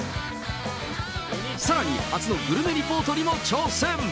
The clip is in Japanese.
さらに初のグルメリポートにも挑戦。